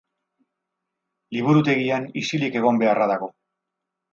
Liburutegian isilik egon beharra dago.